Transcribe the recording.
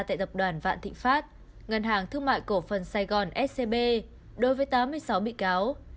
tại tập đoàn vạn thịnh pháp ngân hàng thương mại cổ phần sài gòn scb đối với tám mươi sáu bị cáo